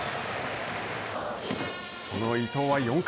その伊藤は４回。